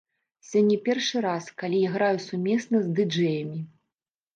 Сёння першы раз, калі я граю сумесна з ды-джэямі.